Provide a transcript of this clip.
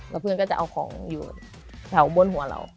แล้วเพื่อนก็จะเอาของอยู่แถวบนหัวเรา